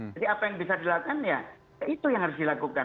jadi apa yang bisa dilakukan ya itu yang harus dilakukan